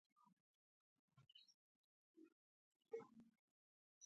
بلخ ولایت د افغانستان شمال ته واقع دی.